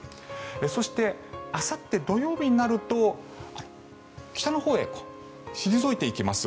そして、あさって土曜日になると北のほうへ退いていきます。